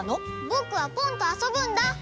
ぼくはポンとあそぶんだ！